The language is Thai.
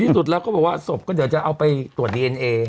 พี่เขาบอกว่าศพก็จะเอาไปตรวจดีเอนเอ